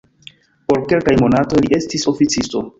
Por kelkaj monatoj li estis oficisto.